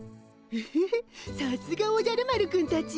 エヘヘさすがおじゃる丸くんたち。